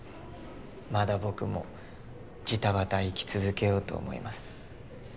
まだ僕もジタバタ生き続けようと思います。